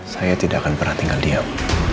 saya tidak akan pernah tinggal diam